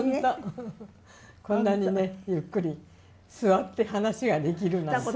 こんなにねゆっくり座って話ができるなんて。